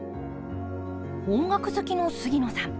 音楽好きの杉野さん。